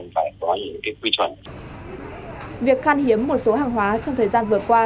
việc khan hiếm một số hàng hóa trong thời gian vừa qua